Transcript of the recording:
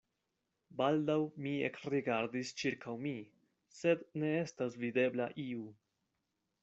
Baldaŭ mi ekrigardis ĉirkaŭ mi, sed ne estas videbla iu.